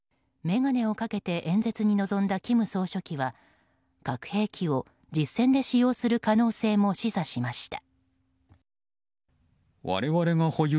眼鏡をかけて演説に臨んだ金総書記は核兵器を実戦で使用する可能性も示唆しました。